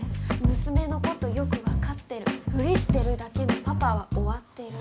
娘のことよく分かってるふりしてるだけのパパは終わってる